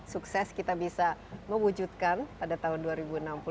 sukses kita bisa mewujudkan pada tahun dua ribu enam puluh